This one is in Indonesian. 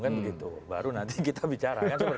kan begitu baru nanti kita bicara